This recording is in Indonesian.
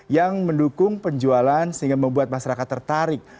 yang mendukung penjualan sehingga membuat masyarakat tertarik